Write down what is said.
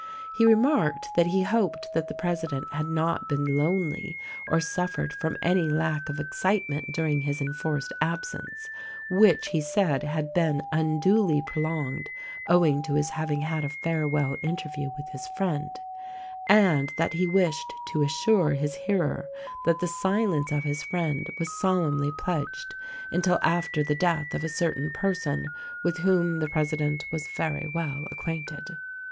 He remarked that he hoped that the president had not been lonely or suffered from any lack of excitement during his enforced absence, — which he said had been unduly prolonged owing to his having had a farewell interview with his friend, — and that he wished to assure his hearer that the silence of his friend was solemnly pledged until after the death of a certain person with whom the president was very well acquainted.